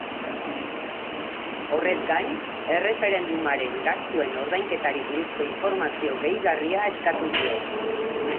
Horrez gain, erreferendumaren gastuen ordainketari buruzko informazio gehigarria eskatu dio.